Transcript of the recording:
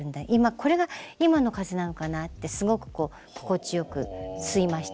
これが今の風なのかなってすごく心地よく吸いました。